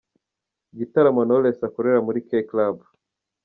Igitaramo Knowless akorera muri K Club.